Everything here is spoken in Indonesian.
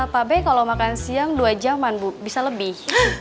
pak b kalau makan siang dua jaman bu bisa lebih